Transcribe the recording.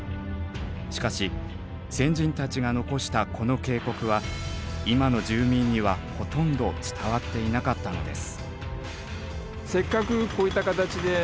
しかし先人たちが残したこの警告は今の住民にはほとんど伝わっていなかったのです。